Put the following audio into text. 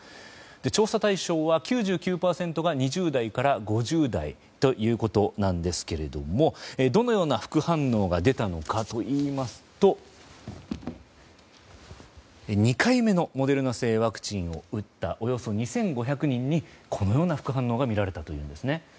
調査対象は９９％が２０代から５０代ということですがどのような副反応が出たのかといいますと２回目のモデルナ製ワクチンを打ったおよそ２５００人にこのような副反応が見られたというんですね。